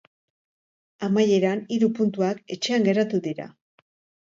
Amaieran, hiru puntuak etxean geratu dira.